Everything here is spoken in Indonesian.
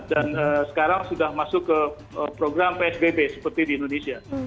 dan sekarang sudah masuk ke program psbb seperti di indonesia